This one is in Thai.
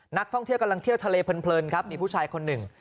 นักท่องเที่ยวกำลังเที่ยวทะเลเพลินครับมีผู้ชายคนหนึ่ง